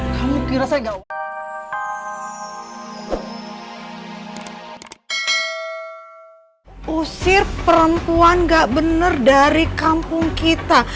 kamu kira saya gak usir perempuan gak bener dari kampung kita